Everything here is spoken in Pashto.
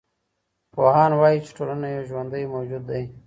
پوهان وايي چي ټولنه یو ژوندی موجود دی.